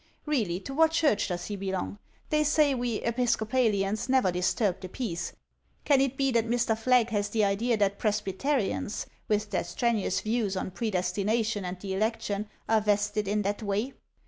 Really, to what church does he belong? They say we Episcopalians never disturb the peace. Can it be that Mr. Flagg has the idea that Pres 272 THE TECHNIQUE OF THE MYSTERY STORY byterians, with their strenuous views on predestination and the election, are vested that way?